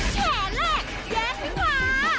แช่แรกแย่พี่กว่า